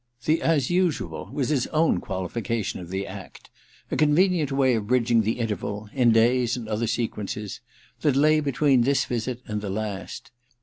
The ^ as usual ' was his own qualification of ^ the act ; a convenient way of bridging the interval — in days and other sequences — that lay between this visit and the last.